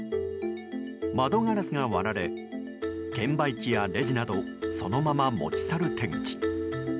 窓ガラスが割られ券売機やレジなどそのまま持ち去る手口。